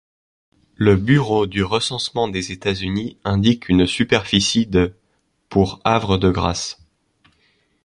Le Bureau du recensement des États-Unis indique une superficie de pour Havre de Grace.